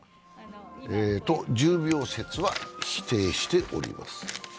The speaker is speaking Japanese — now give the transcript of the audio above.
と重病説は否定しております。